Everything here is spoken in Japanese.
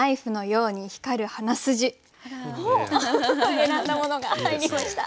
選んだものが入りました。